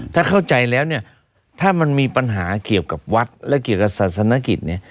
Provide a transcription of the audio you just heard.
ถ้าเข้าใจแล้วเนี่ยถ้ามันมีปัญหาเกี่ยวกับวัดและเกี่ยวกับศาสนกิจเนี่ย